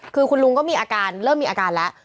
คือคุณลุงก็มีอาการเริ่มมีอาการแล้ว